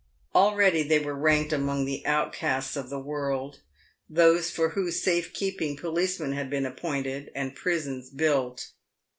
Already they were ranked among the outcasts of the world, those for whose safe keeping policemen had been appointed and prisons built.